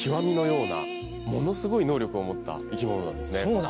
ものすごい能力を持った生き物なんですね。